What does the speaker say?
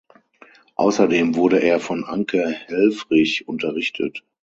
Außerdem wurde er von Anke Helfrich unterrichtet.